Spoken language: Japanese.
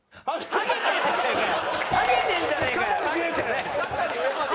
ハゲかかってんじゃねえかよ！